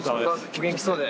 お元気そうで。